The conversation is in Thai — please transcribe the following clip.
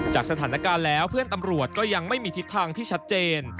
จากสถานการณ์แล้วเพื่อนตำรวจก็ยังไม่มีทิศทางที่ชัดเจน